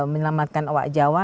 menyelamatkan oha jawa